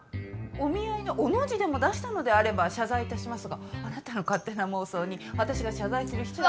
お見合いの「お」の字でも出したのであれば謝罪いたしますがあなたの勝手な妄想に私が謝罪する必要。